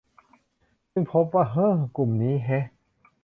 ซึ่งพบว่า เอ้อ กลุ่มนี้แฮะ